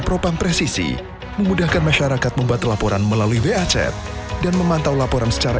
propam presisi memudahkan masyarakat membuat laporan melalui wa chat dan memantau laporan secara